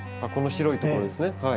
あっこの白いところですね。